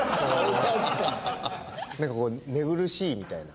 なんかこう寝苦しいみたいな。